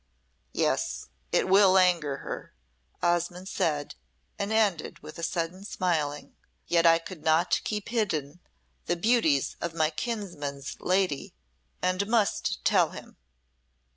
"Yes, it will anger her," Osmonde said, and ended with a sudden smiling. "Yet I could not keep hidden the beauties of my kinsman's lady, and must tell him."